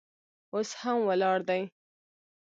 اوس هم ولاړ دی.